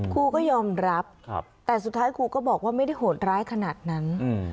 ครูก็ยอมรับแต่สุดท้ายครูก็บอกว่าไม่ได้โหดร้ายขนาดนั้น